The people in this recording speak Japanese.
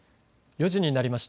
４時になりました。